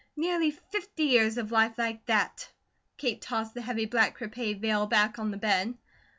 Nearly fifty years of life like that!" Kate tossed the heavy black crepe veil back on the bed.